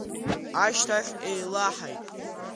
Ашьҭахь еилаҳаит…